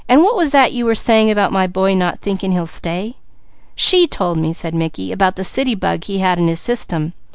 What was that you were saying about my boy not thinking he'll stay?" "She told me," said Mickey, "about the city bug he had in his system.